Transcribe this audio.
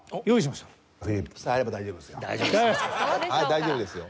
大丈夫ですよ。